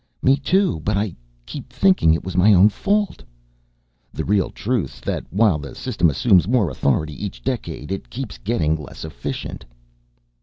"Me too, but I kept thinking it was my own fault." "The real truth's that while the System assumes more authority each decade it keeps getting less efficient."